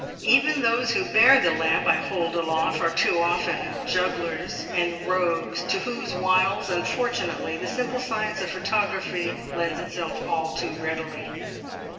Even those who bear the lamp I hold aloft are too often jugglers and rogues, to whose wiles, unfortunately, the simple science of photography lends itself all too readily.